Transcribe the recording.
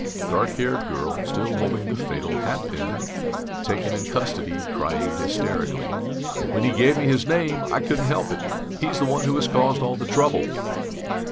Dark haired girl, still holding the fatal hat pin, taken in custody, crying hysterically 'When he gave me his name, I couldn't help it. He's the one who has caused all the trouble!'